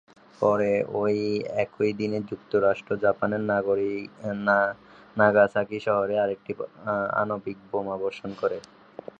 পরে ঐ একই দিনে, যুক্তরাষ্ট্র জাপানের নাগাসাকি শহরে আরেকটি আণবিক বোমা বর্ষণ করে।